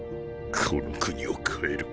この国をかえる。